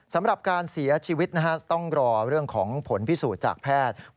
สำหรับการเสียชีวิตต้องรอเรื่องของผลพิสูจน์จากแพทย์